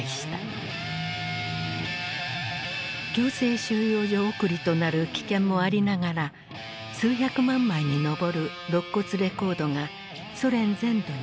強制収容所送りとなる危険もありながら数百万枚に上るろっ骨レコードがソ連全土に出回った。